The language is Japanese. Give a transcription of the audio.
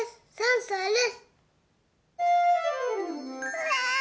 うわ！